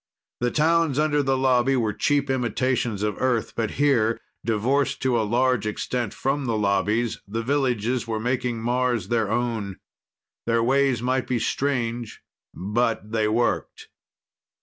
The towns under the Lobby were cheap imitations of Earth, but here, divorced to a large extent from the lobbies, the villages were making Mars their own. Their ways might be strange; but they worked.